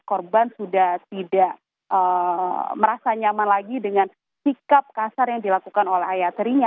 korban sudah tidak merasa nyaman lagi dengan sikap kasar yang dilakukan oleh ayah tirinya